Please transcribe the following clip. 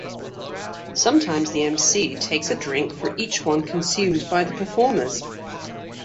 Sometimes the emcee takes a drink for each one consumed by the performers.